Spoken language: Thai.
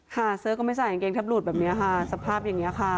เสื้อก็ไม่ใส่กางเกงแทบหลุดแบบนี้ค่ะสภาพอย่างนี้ค่ะ